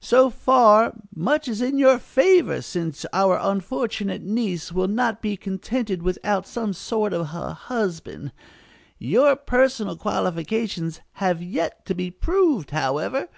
So far, much is in your favor, since our unfortunate niece will not be contented without some sort of a husband. Your personal qualifications have yet to be proved, however.